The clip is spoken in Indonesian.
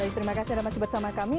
baik terima kasih anda masih bersama kami